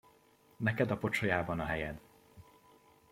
Neked a pocsolyában a helyed!